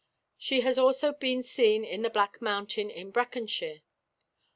She has also been seen in the Black Mountain in Breconshire.